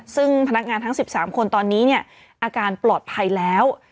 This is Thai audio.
ซึ่งพนักงานทั้ง๑๓คนตอนนี้เนี่ยอาการปลอดภัยแล้ว